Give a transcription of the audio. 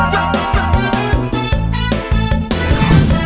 เฮ้ย